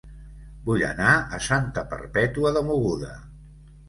Vull anar a Santa Perpètua de Mogoda